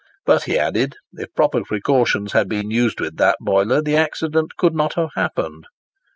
But he added, if proper precautions had been used with that boiler, the accident could not have happened.